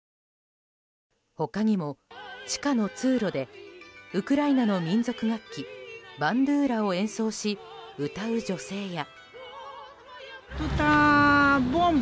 他にも地下の通路でウクライナの民族楽器バンドゥーラを演奏し歌う女性や。